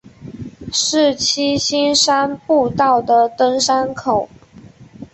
是七星山步道的登山口。